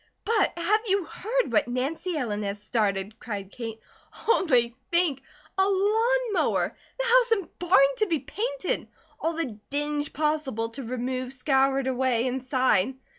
"But have you heard that Nancy Ellen has started?" cried Kate. "Only think! A lawn mower! The house and barn to be painted! All the dinge possible to remove scoured away, inside!